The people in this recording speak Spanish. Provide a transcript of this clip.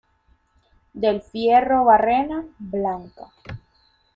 Del Fierro Barrena, Blanca.